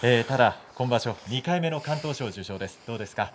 ただ今場所、２回目の敢闘賞受賞です。